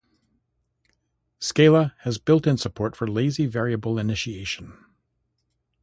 Scala has built-in support for lazy variable initiation.